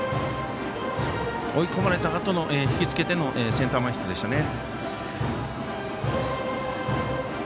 追い込まれたあとの引き付けてのセンター前ヒットでしたね。